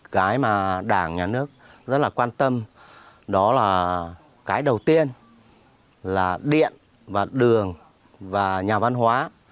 cái mà đảng nhà nước rất là quan tâm đó là cái đầu tiên là điện và đường và nhà văn hóa